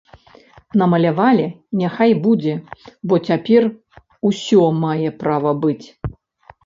Намалявалі, няхай будзе, бо цяпер усё мае права быць.